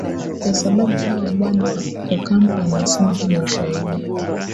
kwa sababu hawa bwana ocampo anasema hana ushahidi